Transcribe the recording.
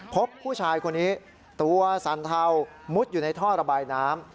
พบผู้ชายคนนี้ตัวสันเทามุดอยู่ในท่อระบายน้ำ